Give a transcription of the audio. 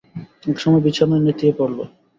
এক সময় বিছানায় নেতিয়ে পড়ল।